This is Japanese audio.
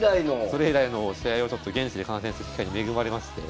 それ以来の試合を現地で観戦する機会に恵まれまして。